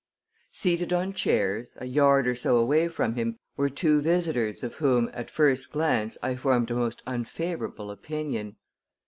Seated on chairs, a yard or so away from him, were two visitors of whom at first glance I formed a most unfavorable opinion.